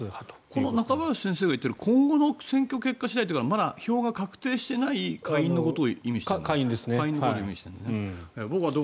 この中林先生が言っている今後の選挙結果次第というのはまだ票が確定しない下院のことを意味してるんだよね。